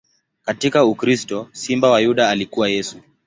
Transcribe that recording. Katika ukristo, Simba wa Yuda alikuwa Yesu.